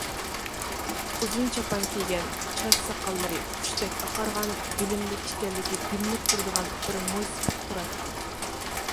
ئۇزۇن چاپان كىيگەن، چاچ-ساقاللىرى ئۇچتەك ئاقارغان، بىلىملىك ئىكەنلىكى بىلىنىپ تۇرىدىغان بىر مويسىپىت تۇراتتى.